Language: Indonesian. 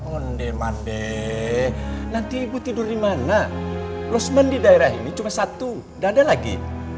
ondeh mandeh nanti ibu tidur dimana lost man di daerah ini cuma satu gak ada lagi